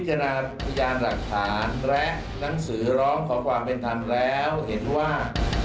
จนาพยานหลักฐานและหนังสือร้องขอความเป็นธรรมแล้วเห็นว่า